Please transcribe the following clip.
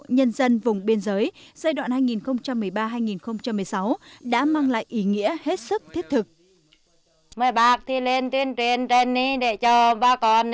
nhân dân vùng biên giới giai đoạn hai nghìn một mươi ba hai nghìn một mươi sáu đã mang lại ý nghĩa hết sức thiết thực